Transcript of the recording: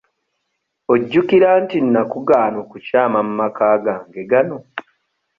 Ojjukira nti nnakugaana okukyama mu maka gange gano?